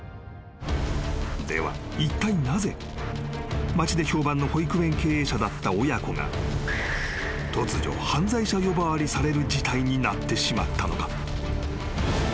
［ではいったいなぜ町で評判の保育園経営者だった親子が突如犯罪者呼ばわりされる事態になってしまったのか？］